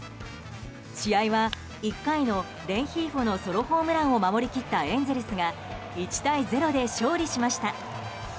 試合は１回のレンヒーフォのソロホームランを守り切ったエンゼルスが１対０で勝利しました。